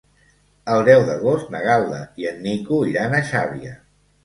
El deu d'agost na Gal·la i en Nico iran a Xàbia.